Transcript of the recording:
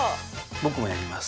僕もやります。